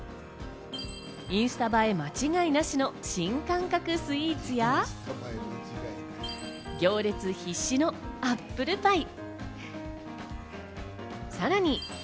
インスタ映え間違えなしの新感覚スイーツや、行列必至のアップルパイ。